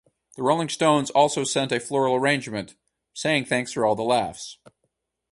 The Rolling Stones also sent a floral arrangement, saying "Thanks for all the laughs".